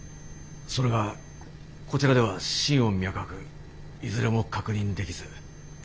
それがこちらでは心音脈拍いずれも確認できず。